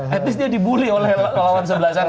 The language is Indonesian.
at least dia dibully oleh lawan sebelah sana